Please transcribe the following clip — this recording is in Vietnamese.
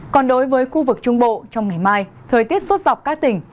còn đối với khu vực trung bộ trong ngày mai thời tiết suốt dọc các tỉnh